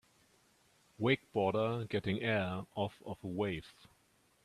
Wakeboarder getting air off of a wave